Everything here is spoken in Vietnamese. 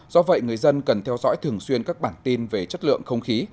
do vậy người dân cần theo dõi thường xuyên các bản tin về chất lượng không khí